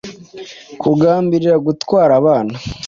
kugambirira gutwara abana